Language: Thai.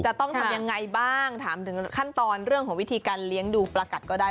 จะต้องทำยังไงบ้างถามถึงขั้นตอนเรื่องของวิธีการเลี้ยงดูประกัดก็ได้